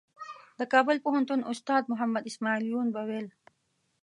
د کابل پوهنتون استاد محمد اسمعیل یون به ویل.